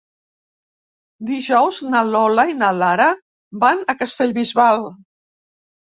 Dijous na Lola i na Lara van a Castellbisbal.